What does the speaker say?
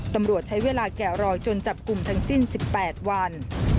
ตำรวจใช้เวลาแกะรอยจนจับกลุ่มทั้งสิ้น๑๘วัน